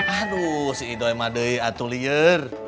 aduh si ido emang adek atelier